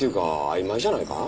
曖昧じゃないか？